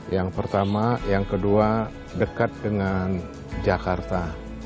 yang pertama yang kedua dekat dengan jakarta